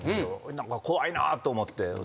何か怖いなと思って。